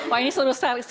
wah ini seru sekali bu